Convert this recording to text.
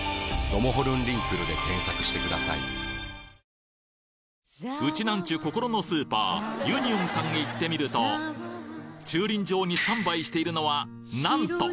来ましたウチナンチュ心のスーパーユニオンさんへ行ってみると駐輪場にスタンバイしているのはなんと！